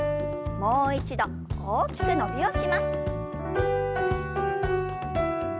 もう一度大きく伸びをします。